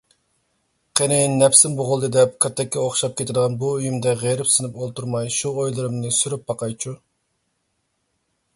قېنى نەپسىم بوغۇلدى دەپ كاتەككە ئوخشاپ كېتىدىغان بۇ ئۆيۈمدە غېرىبسىنىپ ئولتۇرماي شۇ ئويلىرىمنى سۇرۇپ باقايچۇ.